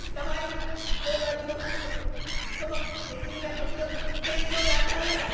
交番に持ってくとそのネズミが時々懸賞で当たるんだ。